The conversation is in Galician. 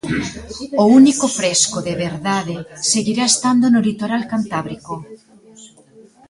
O único fresco de verdade seguirá estando no litoral cantábrico.